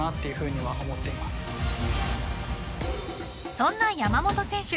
そんな山本選手